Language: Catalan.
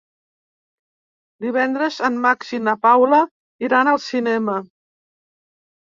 Divendres en Max i na Paula iran al cinema.